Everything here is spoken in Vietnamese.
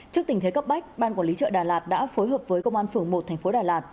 trước tình thế cấp bách ban quản lý chợ đà lạt đã phối hợp với công an phường một thành phố đà lạt